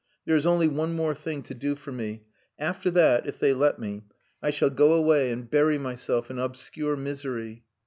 There is only one more thing to do for me. After that if they let me I shall go away and bury myself in obscure misery.